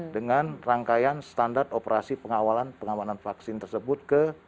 dengan rangkaian standar operasi pengawalan pengawalan vaksin tersebut ke bio farma bandung